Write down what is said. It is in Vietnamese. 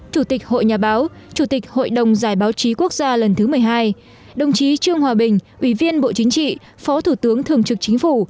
chủ tịch hội nhà báo chủ tịch hội đồng giải báo chí quốc gia lần thứ một mươi hai đồng chí trương hòa bình ủy viên bộ chính trị phó thủ tướng thường trực chính phủ